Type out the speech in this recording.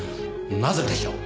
なぜでしょう？